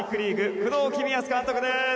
工藤公康監督です。